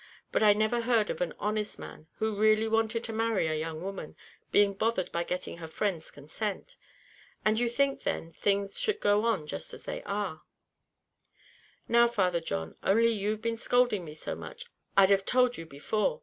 But I never heard of an honest man, who really wanted to marry a young woman, being bothered by getting her friends' consent. And you think, then, things should go on just as they are?" "Now, Father John, only you've been scolding me so much, I'd have told you before.